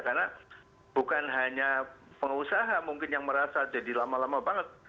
karena bukan hanya pengusaha mungkin yang merasa jadi lama lama banget